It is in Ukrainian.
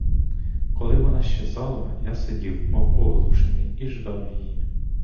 Коли вона щезала, я сидів, мов оглушений, і ждав її.